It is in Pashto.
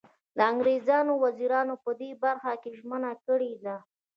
د انګریزانو وزیرانو په دې برخه کې ژمنه کړې ده.